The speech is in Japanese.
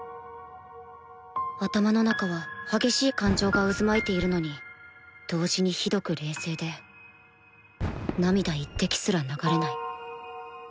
頭の中は激しい感情が渦巻いているのに同時にひどく冷静で涙一滴すら流れない